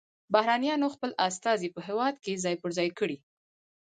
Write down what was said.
بهرنیانو خپل استازي په هیواد کې ځای پر ځای کړي